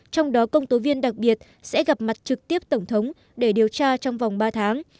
trong đó công tố viên đặc biệt sẽ gặp mặt trực tiếp tổng thống để điều tra trong vòng ba tháng